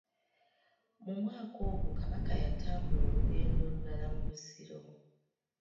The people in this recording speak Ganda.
Mu mwaka ogwo Kabaka yatambula olugendo olulala mu Busiro.